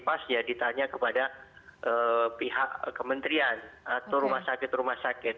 pas ya ditanya kepada pihak kementerian atau rumah sakit rumah sakit